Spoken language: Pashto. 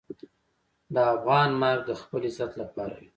د افغان مرګ د خپل عزت لپاره وي.